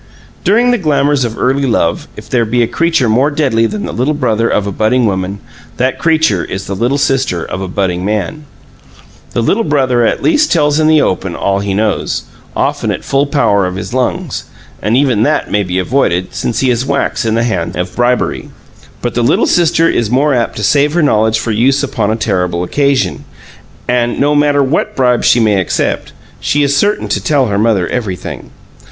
During the glamors of early love, if there be a creature more deadly than the little brother of a budding woman, that creature is the little sister of a budding man. The little brother at least tells in the open all he knows, often at full power of his lungs, and even that may be avoided, since he is wax in the hands of bribery; but the little sister is more apt to save her knowledge for use upon a terrible occasion; and, no matter what bribes she may accept, she is certain to tell her mother everything.